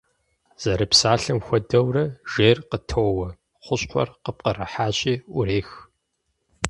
Зэрыпсалъэм хуэдэурэ, жейр къытоуэ, хущхъуэр къыпкърыхьащи Ӏурех.